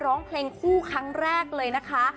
ร้องเพลงคู่ครั้งแรกเลยนะคะ